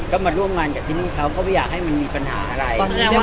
ก็มาร่วมงานกับที่นี่เขาก็ไม่อยากให้มันมีปัญหาอะไร